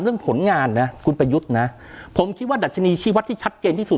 ผลงานนะคุณประยุทธ์นะผมคิดว่าดัชนีชีวัตรที่ชัดเจนที่สุด